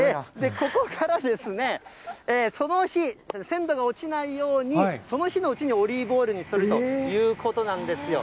ここから、その日、鮮度が落ちないように、その日のうちにオリーブオイルにするということなんですよ。